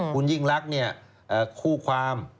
คุณยิ่งรักเนี่ยคู่ความ